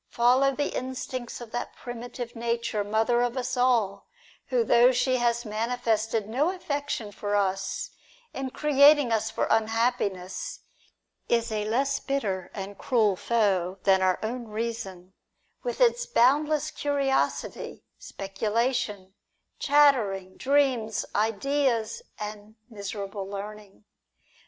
Follow the instincts of that primitive Nature, mother of us all, who, though she has manifested no affection for us in creating I us for unhappiness, is a less bitter and cruel foe than ' our own reason, with its boundless curiosity, specula tion, chattering, dreams, ideas, and miserable learning.